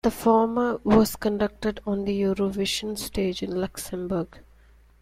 The former was conducted on the Eurovision stage in Luxembourg.